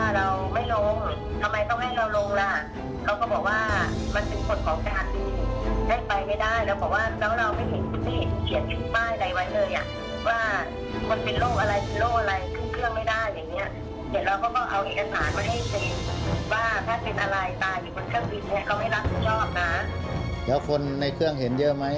เดี๋ยวคนในเครื่องเห็นเยอะมั้ย